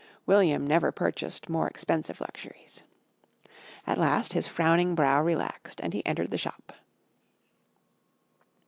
William never purchased more expensive luxuries. At last his frowning brow relaxed and he entered the shop.